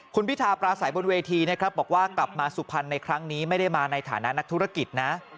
คุณพิธาปราศัยบนเวทีนะครับบอกว่ากลับมาสุพรรณในครั้งนี้ไม่ได้มาในฐานะนักธุรกิจนะ